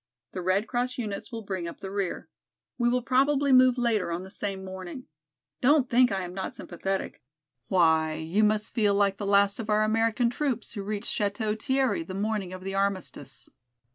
The Red Cross units will bring up the rear. We will probably move later on the same morning. Don't think I am not sympathetic; why you must feel like the last of our American troops who reached Château Thierry the morning of the armistice.